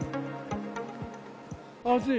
暑い！